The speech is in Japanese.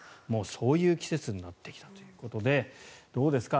そういう季節になってきたということでどうですか？